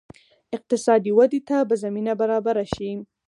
اقتصادي ودې ته به زمینه برابره شي.